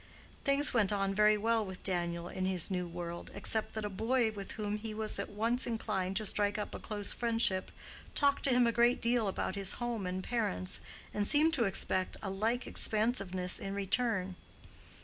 Things went on very well with Daniel in his new world, except that a boy with whom he was at once inclined to strike up a close friendship talked to him a great deal about his home and parents, and seemed to expect a like expansiveness in return.